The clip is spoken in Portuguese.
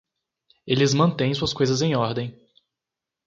Eles mantêm suas coisas em ordem.